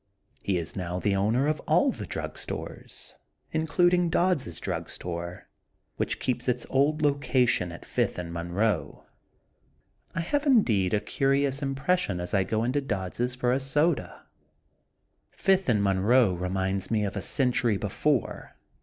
He is now the owner of all the drug stores, including Dodds' Drug Store, which keeps its old location at Fifth and Monroe. I have indeed a curious impression as I go into Dodds ' for a soda. Fifth and Monroe re minds me of a century before.